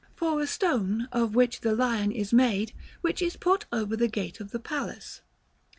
for a stone of which the lion is made which is put over the gate of the palace."